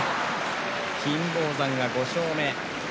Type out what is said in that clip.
金峰山が５勝目。